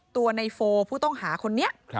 ตัวในโฟผู้ต้องหาคนนี้